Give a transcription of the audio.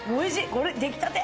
これできたて。